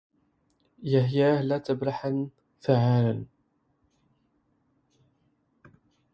يهياه لا تبرحا ثعالا